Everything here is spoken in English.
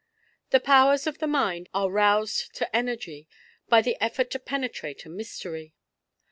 The powers of the mind are roused to energy by the effort to penetrate a mystery.